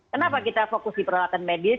kenapa kita fokus di peralatan medis